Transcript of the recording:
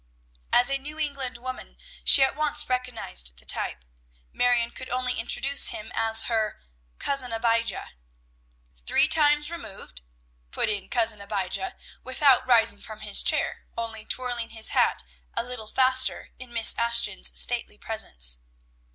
As a New England woman, she at once recognized the type. Marion could only introduce him as her "Cousin Abijah." "Three times removed," put in Cousin Abijah, without rising from his chair, only twirling his hat a little faster in Miss Ashton's stately presence.